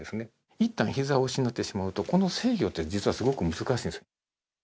いったんひざを失ってしまうと、この制御って、実はすごく難しいんです。